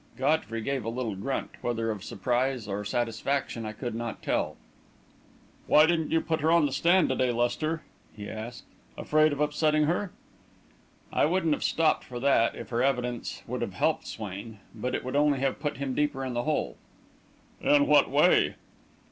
Godfrey gave a little grunt, whether of surprise or satisfaction I could not tell. "Why didn't you put her on the stand to day, Lester?" he asked. "Afraid of upsetting her?" "I wouldn't have stopped for that, if her evidence would have helped Swain. But it would only have put him deeper in the hole." "In what way?"